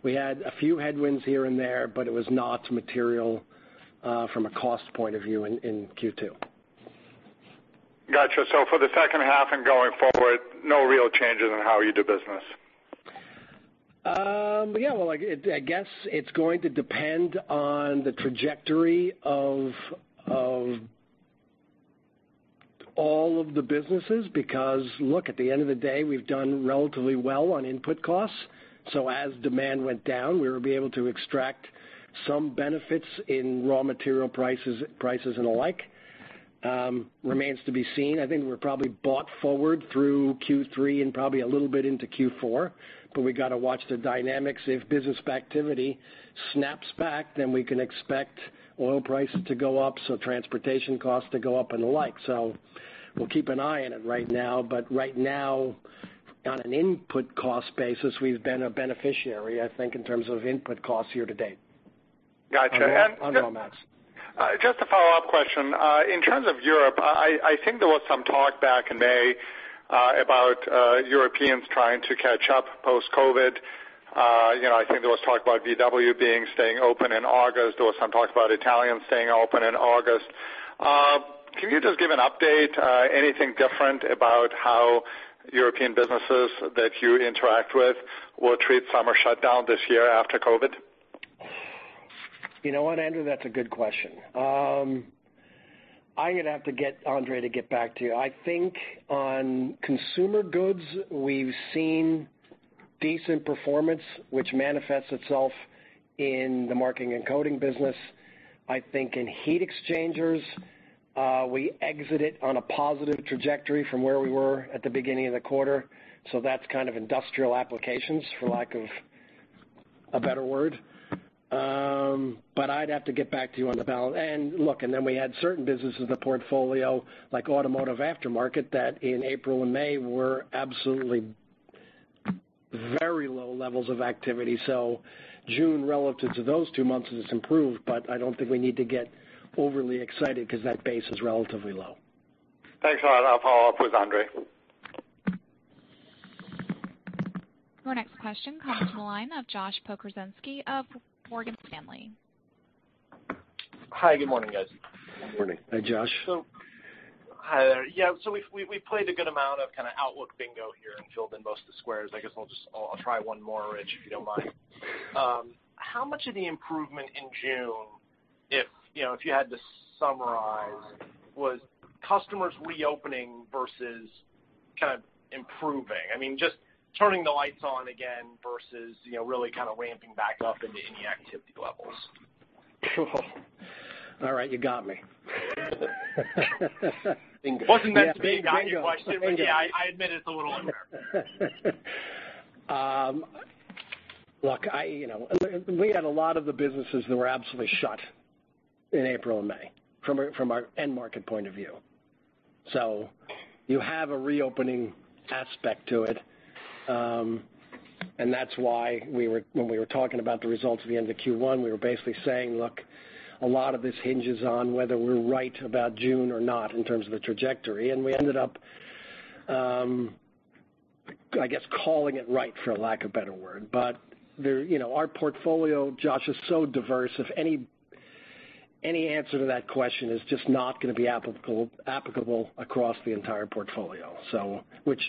We had a few headwinds here and there, it was not material from a cost point of view in Q2. Got you. For the second half and going forward, no real changes in how you do business? Well, I guess it's going to depend on the trajectory of all of the businesses, because, look, at the end of the day, we've done relatively well on input costs. As demand went down, we would be able to extract some benefits in raw material prices and the like. Remains to be seen. I think we're probably bought forward through Q3 and probably a little bit into Q4, but we got to watch the dynamics. If business activity snaps back, then we can expect oil prices to go up, so transportation costs to go up and the like. We'll keep an eye on it right now, but right now, on an input cost basis, we've been a beneficiary, I think, in terms of input costs year to date. Got you. On raw mats. Just a follow-up question. In terms of Europe, I think there was some talk back in May about Europeans trying to catch up post-COVID. I think there was talk about Volkswagen staying open in August. There was some talk about Italians staying open in August. Can you just give an update, anything different about how European businesses that you interact with will treat summer shutdown this year after COVID? You know what, Andrew? That's a good question. I'm going to have to get Andrey to get back to you. I think on consumer goods, we've seen decent performance, which manifests itself in the marking and coding business. I think in heat exchangers, we exited on a positive trajectory from where we were at the beginning of the quarter, so that's kind of industrial applications, for lack of a better word. I'd have to get back to you on the balance. Look, and then we had certain businesses in the portfolio, like automotive aftermarket, that in April and May were absolutely very low levels of activity. June relative to those two months has improved, but I don't think we need to get overly excited because that base is relatively low. Thanks a lot. I'll follow up with Andrey. Your next question comes from the line of Josh Pokrzywinski of Morgan Stanley. Hi, good morning, guys. Good morning. Hi, Josh. Hi there. Yeah, we've played a good amount of kind of outlook bingo here and filled in most of the squares. I'll try one more, Rich, if you don't mind. How much of the improvement in June, if you had to summarize, was customers reopening versus kind of improving? I mean, just turning the lights on again versus really kind of ramping back up into any activity levels. All right, you got me. It wasn't meant to be a got-you question. Bingo. Yeah, I admit it's a little unfair. Look, we had a lot of the businesses that were absolutely shut in April and May from our end market point of view. You have a reopening aspect to it, and that's why when we were talking about the results at the end of Q1, we were basically saying, "Look, a lot of this hinges on whether we're right about June or not in terms of the trajectory." We ended up, I guess, calling it right, for lack of a better word. Our portfolio, Josh, is so diverse, any answer to that question is just not going to be applicable across the entire portfolio. Which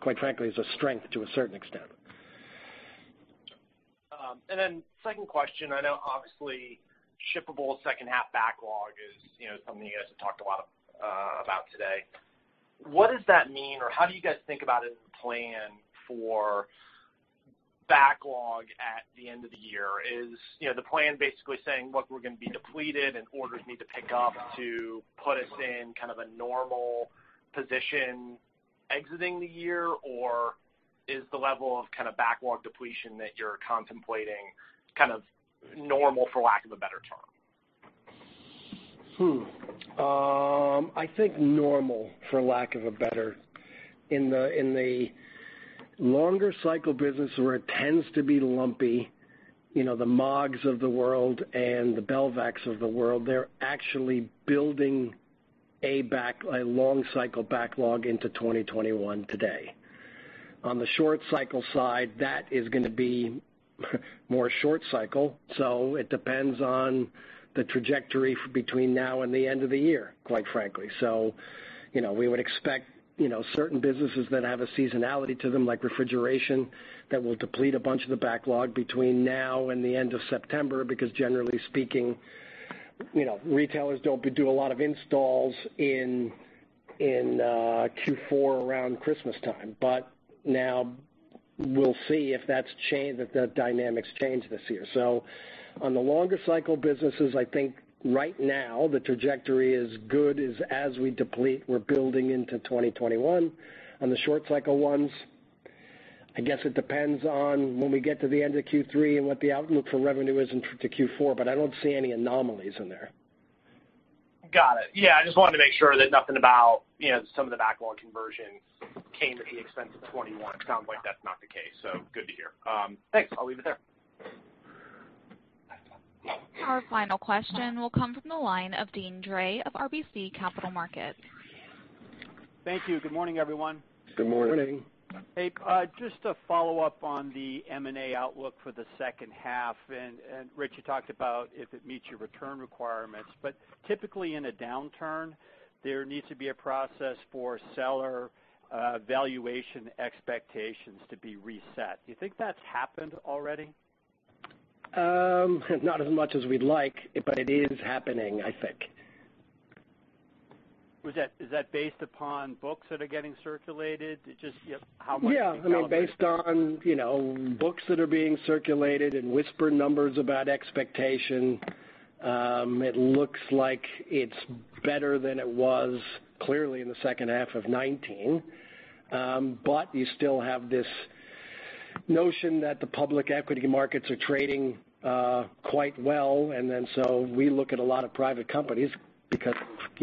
quite frankly, is a strength to a certain extent. Second question. I know obviously shippable second half backlog is something you guys have talked a lot about today. What does that mean, or how do you guys think about it and plan for backlog at the end of the year? Is the plan basically saying, "Look, we're going to be depleted and orders need to pick up to put us in kind of a normal position exiting the year?" Is the level of backlog depletion that you're contemplating kind of normal, for lack of a better term? I think normal. In the longer cycle business where it tends to be lumpy, the Maags of the world and the Belvac of the world, they're actually building a long cycle backlog into 2021 today. On the short cycle side, that is going to be more short cycle. It depends on the trajectory between now and the end of the year, quite frankly. We would expect certain businesses that have a seasonality to them, like refrigeration, that will deplete a bunch of the backlog between now and the end of September, because generally speaking, retailers don't do a lot of installs in Q4 around Christmas time. Now we'll see if the dynamics change this year. On the longer cycle businesses, I think right now the trajectory is good. As we deplete, we're building into 2021. On the short cycle ones, I guess it depends on when we get to the end of Q3 and what the outlook for revenue is into Q4, but I don't see any anomalies in there. Got it. I just wanted to make sure that nothing about some of the backlog conversion came at the expense of 2021. It sounds like that's not the case, so good to hear. Thanks. I'll leave it there. Our final question will come from the line of Deane Dray of RBC Capital Markets. Thank you. Good morning, everyone. Good morning. Just a follow-up on the M&A outlook for the second half, Rich, you talked about if it meets your return requirements. Typically in a downturn, there needs to be a process for seller valuation expectations to be reset. Do you think that's happened already? Not as much as we'd like, but it is happening, I think. Is that based upon books that are getting circulated? Just how much- Yeah. Based on books that are being circulated and whispered numbers about expectation. It looks like it's better than it was, clearly, in the second half of 2019. You still have this notion that the public equity markets are trading quite well. We look at a lot of private companies because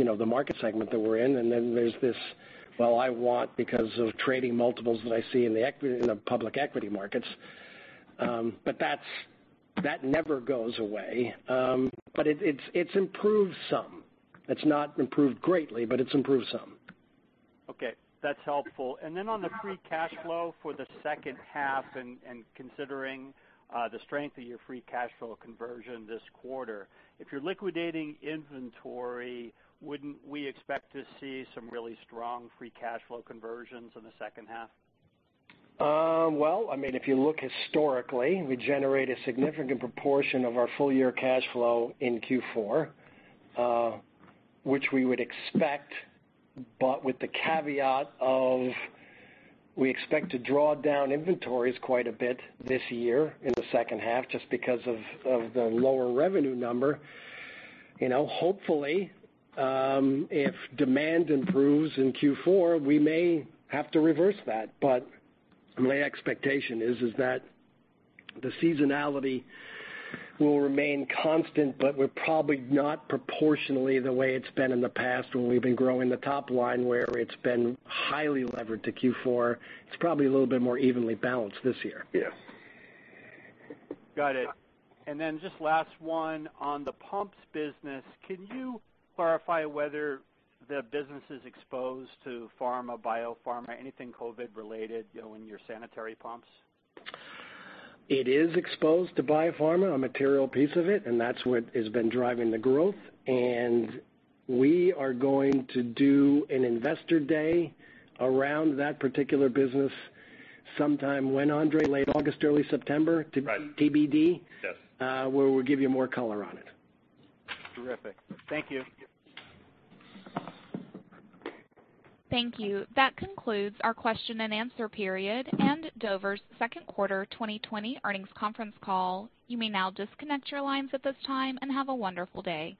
of the market segment that we're in, and then there's this, "Well, I want because of trading multiples that I see in the public equity markets." That never goes away. It's improved some. It's not improved greatly, but it's improved some. Okay, that's helpful. On the free cash flow for the second half and considering the strength of your free cash flow conversion this quarter, if you're liquidating inventory, wouldn't we expect to see some really strong free cash flow conversions in the second half? Well, if you look historically, we generate a significant proportion of our full year cash flow in Q4, which we would expect, but with the caveat of we expect to draw down inventories quite a bit this year in the second half, just because of the lower revenue number. Hopefully, if demand improves in Q4, we may have to reverse that. My expectation is that the seasonality will remain constant, but will probably not proportionally the way it's been in the past when we've been growing the top line, where it's been highly levered to Q4. It's probably a little bit more evenly balanced this year. Yes. Got it. Just last one on the pumps business, can you clarify whether the business is exposed to pharma, biopharma, anything COVID related in your sanitary pumps? It is exposed to biopharma, a material piece of it. That's what has been driving the growth. We are going to do an investor day around that particular business sometime, when, Andrey? Late August, early September. Right, TBD? Yes. Where we'll give you more color on it. Terrific. Thank you. Thank you. That concludes our question and answer period and Dover's second quarter 2020 earnings conference call. You may now disconnect your lines at this time, and have a wonderful day.